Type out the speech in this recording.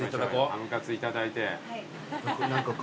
ハムカツいただいて。